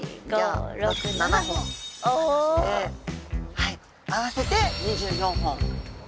はい合わせて２４本。